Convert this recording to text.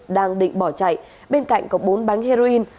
đang định bỏ chạy bên cạnh có bốn bánh heroin